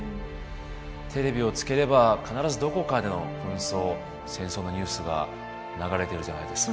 テレビをつければ必ずどこかでの紛争戦争のニュースが流れてるじゃないですか。